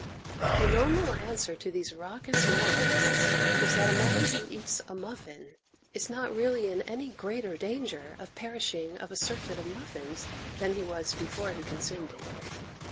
The normal answer to these raucous moralists is that a man who eats a muffin is not really in any greater danger of perishing of a surfeit of muffins than he was before he consumed it.